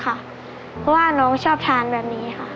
เพราะว่าน้องชอบทานแบบนี้ค่ะ